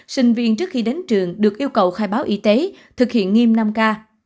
sinh viên trước khi đến trường được yêu cầu khai báo y tế thực hiện nghiêm năm k